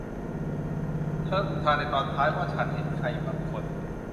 เธออุทานในตอนท้ายว่า ฉันเห็นใครบางคน